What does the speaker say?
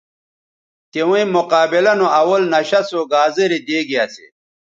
تویں مقابلہ نو اول نشہ سو گازرے دیگے اسے